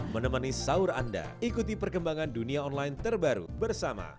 menemani sahur anda ikuti perkembangan dunia online terbaru bersama